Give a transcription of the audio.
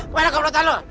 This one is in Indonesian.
kemana komplotan lo